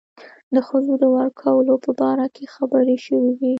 د ښځو د ورکولو په باره کې خبرې شوې وې.